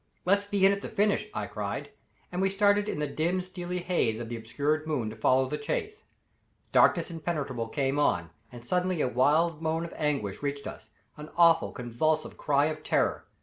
"Let's be in at the finish," I cried, and we started in the dim steely haze of the obscured moon to follow the chase. Darkness impenetrable came on, and suddenly a wild moan of anguish reached us an awful, convulsive cry of terror.